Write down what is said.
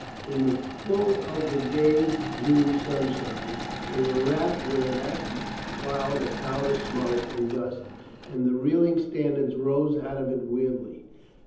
In the full of the gay June sunshine they were wrapped with an acrid cloud of powder smoke and dust and the reeling standards rose out of it weirdly.